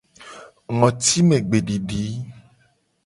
Ngotimegbedidi.